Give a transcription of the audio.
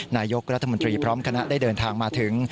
นายกรัฐมนตรีพร้อมคณะได้เดินทางมาถึง